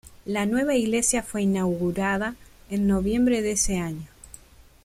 La nueva iglesia fue inaugurada en noviembre de ese año.